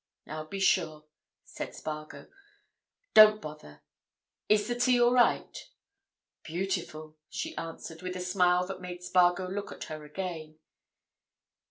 "I'll be sure," said Spargo. "Don't bother. Is the tea all right?" "Beautiful!" she answered, with a smile that made Spargo look at her again.